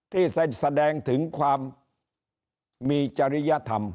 ที่เส้นแสดงถึงความมีจริยธรรม